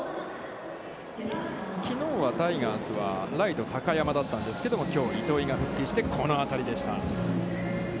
きのうはタイガースはライト高山だったんですけれども、きょうは糸井が復帰してこの当たりでした。